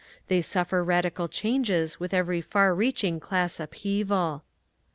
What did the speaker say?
They suffer radical changes with every far reaching class upheaval.